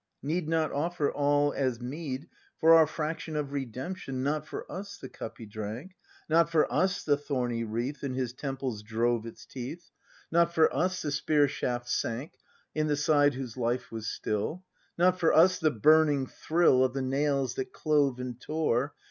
Need not offer All as meed For our fraction of Redemption Not for us the cup He drank. Not for us the thorny wreath In His temples drove its teeth. ACT V] BRAND 289 Not for us the spear shaft sank In the Side whose hfe was still. Not for us the burning thrill Of the nails that clove and tore.